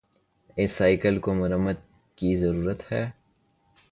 اس cycle کو مرمت کی ضرورت ہے